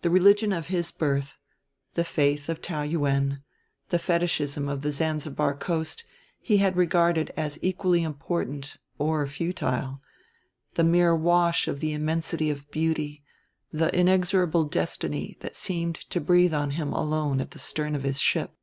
The religion of his birth, the faith of Taou Yuen, the fetishism of the Zanzibar Coast, he had regarded as equally important, or futile the mere wash of the immensity of beauty, the inexorable destiny, that had seemed to breathe on him alone at the stern of his ship.